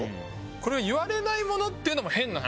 これを言われないものっていうのも変な話なんで。